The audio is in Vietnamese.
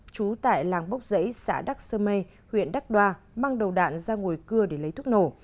trú tại làng bốc dẫy xã đắc sơ mê huyện đắc đoa mang đầu đạn ra ngồi cưa để lấy thuốc nổ